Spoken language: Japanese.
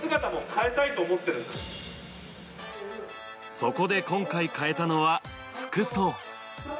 そこで今回変えたのは服装。